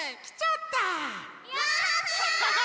やった！